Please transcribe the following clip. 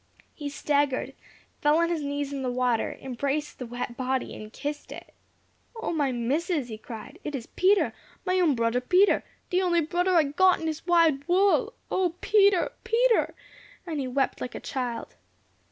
He staggered, fell on his knees in the water, embraced the wet body, and kissed it. [#] Dun know, don't know. "O my Missus," he cried, "it is Peter! my own brudder Peter! De only brudder I got in dis wide wull. O Peter Peter!" and he wept like a child.